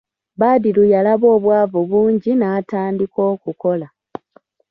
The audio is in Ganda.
Badru yalaba obwavu bungi n'atandika okukola.